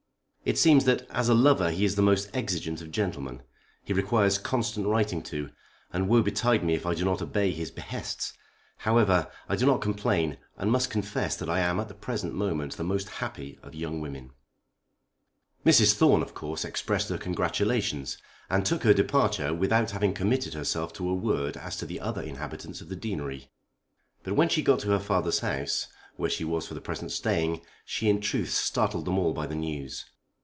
It seems that as a lover he is the most exigeant of gentlemen. He requires constant writing to, and woe betide me if I do not obey his behests. However, I do not complain, and must confess that I am at the present moment the most happy of young women." Mrs. Thorne of course expressed her congratulations, and took her departure without having committed herself to a word as to the other inhabitants of the Deanery. But when she got to her father's house, where she was for the present staying, she in truth startled them all by the news.